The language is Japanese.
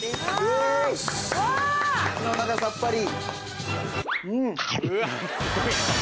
イエイ口の中さっぱり。